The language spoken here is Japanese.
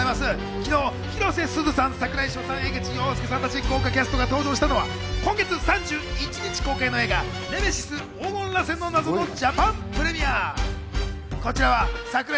昨日、広瀬すずさん、櫻井翔さん、江口洋介さんたち豪華キャストが登場したのは、今月３１日公開の映画『ネメシス黄金螺旋の謎』のジャパンプレミア。